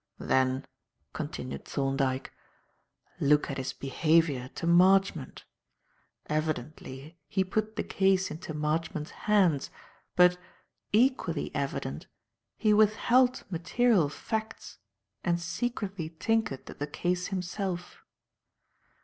"Then," continued Thorndyke, "look at his behaviour to Marchmont. Evidently he put the case into Marchmont's hands, but, equally evident, he withheld material facts and secretly tinkered at the case himself.